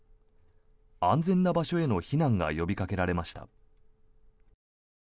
安全な場所への避難が呼びかけられました。